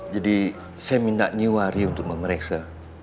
jadi saya minta nyiwari untuk memeriksa